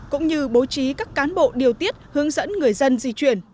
cũng như bố trí các cán bộ điều tiết hướng dẫn người dân di chuyển